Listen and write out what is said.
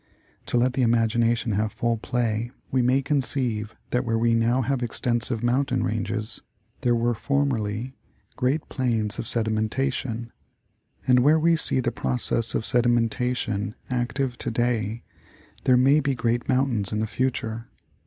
To let the imagination have full play, we may conceive that where we now have extensive mountain ranges, there were formerly great plains of sedimenta tion, and where we see the process of sedimentation active to day there may be great mountains in the future.